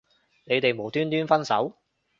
你哋無端端分手